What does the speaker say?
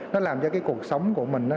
nó làm cho cái cuộc sống của mình